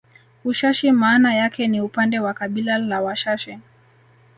Ushashi maana yake ni upande wa kabila la Washashi